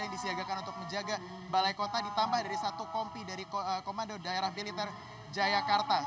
yang disiagakan untuk menjaga balai kota ditambah dari satu kompi dari komando daerah militer jakarta